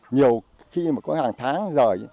nhiều khi mà có hàng tháng giờ